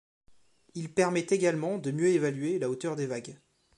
Il permet également de mieux évaluer la hauteur des vagues.